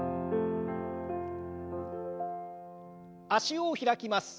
脚を開きます。